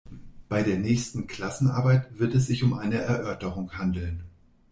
Bei der nächsten Klassenarbeit wird es sich um eine Erörterung handeln.